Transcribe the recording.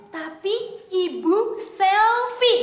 tapi ibu selvi